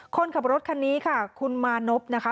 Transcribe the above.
คนขับรถคันนี้ค่ะคุณมานพนะคะ